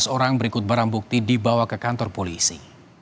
tujuh belas orang berikut barang bukti dibawa ke kantor polisi